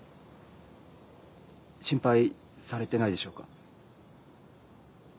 心配されてないでしょうか？